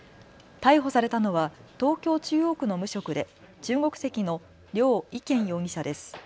逮捕されたのは東京中央区の無職で中国籍の梁偉建容疑者です。